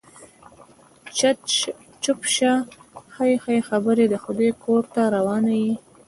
چپ شه، ښې ښې خبرې د خدای کور ته روانه يې.